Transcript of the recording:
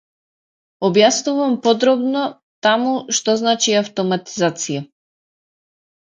Објаснувам подробно таму - што значи автоматизација.